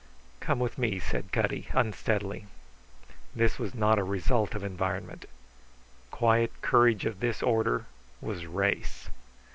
"Come with me," said Cutty, unsteadily. This was not the result of environment. Quiet courage of this order was race.